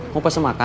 mau pesan makan